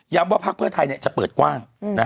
ย้ำว่าภักษ์เพื่อไทยจะเปิดกว้าง